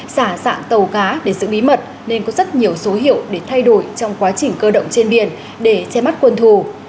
giả dạng tàu cá để giữ bí mật nên có rất nhiều số hiệu để thay đổi trong quá trình cơ động trên biển để che mắt quân thù